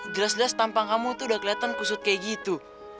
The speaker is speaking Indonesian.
jelas jelas tampang kamu tuh udah kelihatan kusut kayak gitu